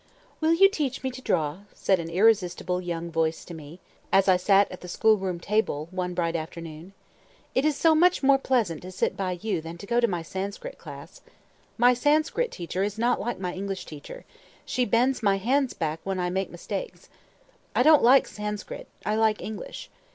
"Will you teach me to draw?" said an irresistible young voice to me, as I sat at the school room table, one bright afternoon. "It is so much more pleasant to sit by you than to go to my Sanskrit class. My Sanskrit teacher is not like my English teacher; she bends my hands back when I make mistakes. I don't like Sanskrit, I like English.